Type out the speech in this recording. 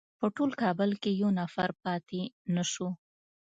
په ټول کابل کې یو نفر پاتې نه شو.